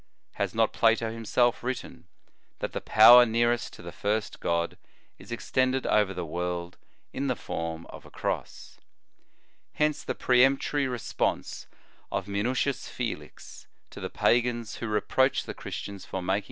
Has not Plato himself written, that the Power nearest to the first God, is extended over the world in the form of a Cross ?{ Hence the peremptory response of Minu tius Felix to the pagans who reproached the Christians for making the Sign of the Cross.